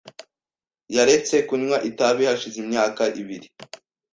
Yaretse kunywa itabi hashize imyaka ibiri .